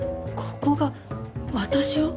ここが私を？